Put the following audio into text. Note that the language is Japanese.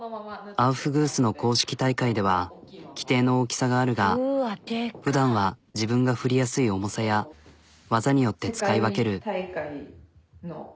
アウフグースの公式大会では規定の大きさがあるがふだんは自分が振りやすい重さや技によって使い分ける。